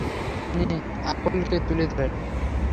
তিনি আকলকে তুলে ধরেন।